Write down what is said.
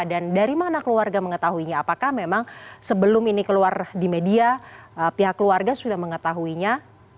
dan dari mana keluarga mengetahuinya apakah memang sebelum ini keluar di media pihak keluarga sudah mengetahuinya